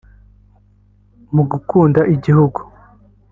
mu gukunda igihugu